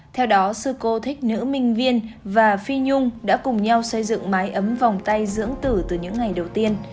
theo đó sư cô thích nữ minh viên và phi nhung đã cùng nhau xây dựng mái ấm vòng tay dưỡng tử từ những ngày đầu tiên